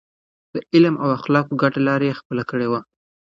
د علم او اخلاقو ګډه لار يې خپله کړې وه.